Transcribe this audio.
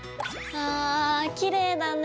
あきれいだね。